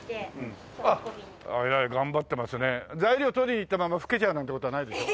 材料取りに行ったままふけちゃうなんて事はないでしょ？